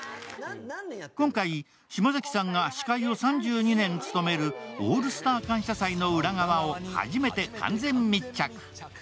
今回、島崎さんが司会を３２年務める「オールスター感謝祭」の裏側を初めて完全密着。